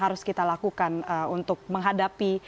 harus kita lakukan untuk menghadapi